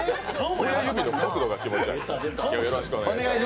親指の角度が気持ち悪い。